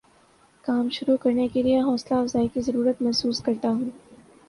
کام شروع کرنے کے لیے حوصلہ افزائی کی ضرورت محسوس کرتا ہوں